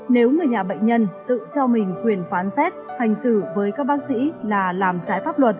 nếu người nhà bệnh nhân tự cho mình quyền phán xét hành xử với các bác sĩ là làm chảy